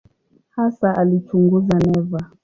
Hasa alichunguza neva.